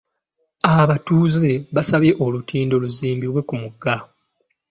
Abatuuze baasabye olutindo luzimbibwe ku mugga.